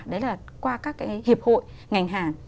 đấy là qua các cái hiệp hội ngành hàng